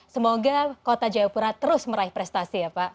semoga kota jayapura terus meraih prestasi ya pak